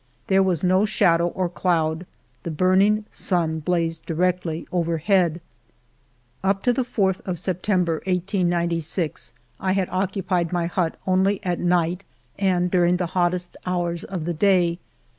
There was no shadow or cloud, the burning sun blazing directly overhead. Up to the 4th of September, 1896, I had occu pied my hut only at night and during the hottest hours of the day.